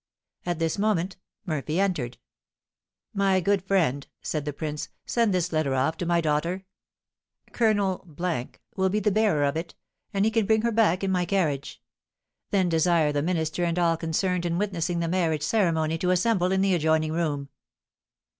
At this moment Murphy entered. "My good friend," said the prince, "send this letter off to my daughter. Colonel will be the bearer of it, and he can bring her back in my carriage; then desire the minister and all concerned in witnessing the marriage ceremony to assemble in the adjoining room."